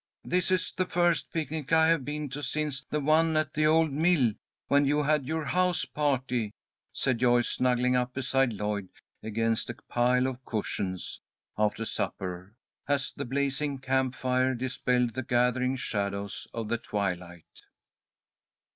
"This is the first picnic I have been to since the one at the old mill, when you had your house party," said Joyce, snuggling up beside Lloyd against a pile of cushions, after supper, as the blazing camp fire dispelled the gathering shadows of the twilight.